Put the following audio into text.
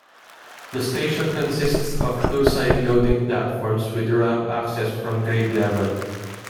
The station consists of two side-loading platforms with ramp access from grade level.